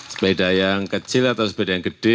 sepeda yang kecil atau sepeda yang gede